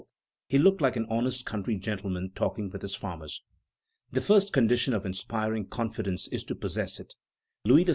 he looked like an honest country gentleman talking with his farmers. The first condition of inspiring confidence is to possess it. Louis XVI.'